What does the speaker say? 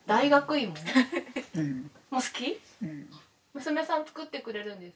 娘さん作ってくれるんです？